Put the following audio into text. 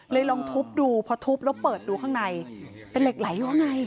เลยลองทุบดูพอทุบแล้วเปิดดูข้างในเป็นเหล็กไหลวะไง